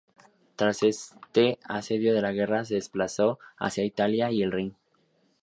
Tras este asedio la guerra se desplazó hacia Italia y el Rin.